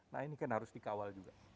nah ini kan harus dikawal juga